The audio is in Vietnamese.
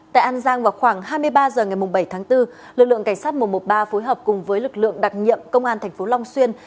tại an giang vào khoảng hai mươi ba h ngày bảy tháng bốn lực lượng cảnh sát một trăm một mươi ba phối hợp cùng với lực lượng đặc nhiệm công an thành phố long xuyên